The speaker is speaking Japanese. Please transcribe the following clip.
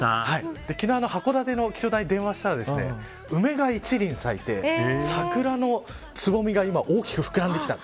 昨日函館の気象台に電話をしたら梅が一輪咲いて桜のつぼみが今大きく膨らんできた。